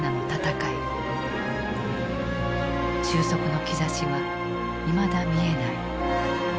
終息の兆しはいまだ見えない。